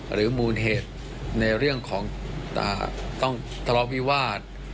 หรือมูลเหตุในเรื่องของต้องทะเลาะวิวาส